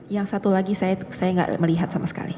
yang satu lagi saya nggak melihat sama sekali